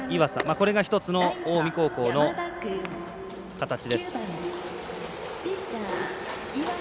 これが１つの近江高校の形です。